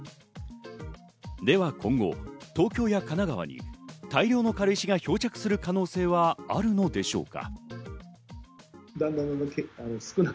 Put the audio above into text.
では今後、東京や神奈川に大量の軽石が漂着する可能性はあるのでしょうか？